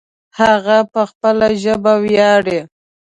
هغه په خپله ژبه ویاړې